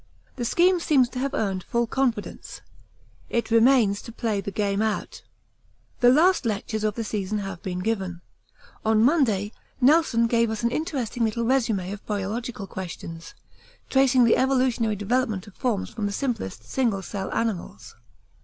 The scheme seems to have earned full confidence: it remains to play the game out. The last lectures of the season have been given. On Monday Nelson gave us an interesting little resume of biological questions, tracing the evolutionary development of forms from the simplest single cell animals.